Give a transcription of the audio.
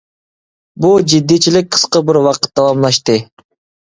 بۇ جىددىيچىلىك قىسقا بىر ۋاقىت داۋاملاشتى.